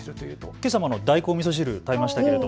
けさも大根のおみそ汁食べましたけど。